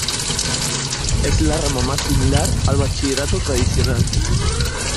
Es la rama más similar al "bachillerato tradicional".